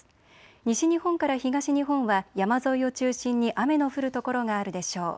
西日本から東日本は山沿いを中心に雨の降る所があるでしょう。